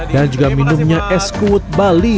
dan juga minumnya es kut bali